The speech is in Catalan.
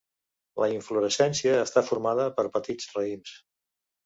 La inflorescència està formada per petits raïms.